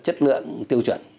chất lượng tiêu chuẩn